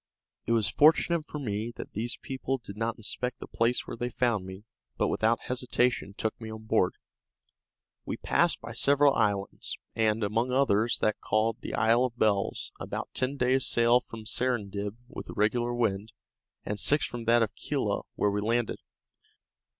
It was fortunate for me that these people did not inspect the place where they found me, but without hesitation took me on board. We passed by several islands, and, among others, that called the Isle of Bells, about ten days' sail from Serendib with a regular wind, and six from that of Kela, where we landed.